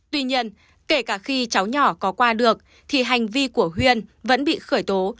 tuy nhiên kể cả khi cháu nhỏ có qua được thì hành vi của huyên vẫn bị khởi tố